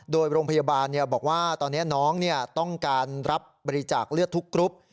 โดยโรงพยาบาลบอกว่าตอนนี้น้องต้องการรับบริจาคเลือดทุกกรุ๊ป